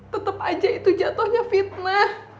tetep aja itu jatohnya fitnah